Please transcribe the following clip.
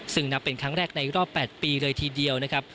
ซึ่งนับเป็นครั้งแรกในรอบ๘ปีเลยทีเดียวนะครับ